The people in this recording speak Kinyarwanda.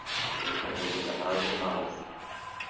ubutaka budahaga amazi